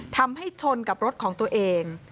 ทำให้ชนกับรถของตัวเอง